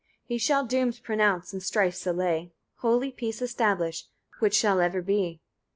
He shall dooms pronounce, and strifes allay, holy peace establish, which shall ever be.